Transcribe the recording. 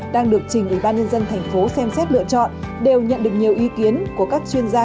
đang được trình ubnd tp xem xét lựa chọn đều nhận được nhiều ý kiến của các chuyên gia